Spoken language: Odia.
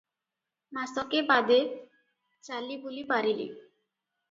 ମାସକ ବାଦେ ଚାଲିବୁଲି ପାରିଲି ।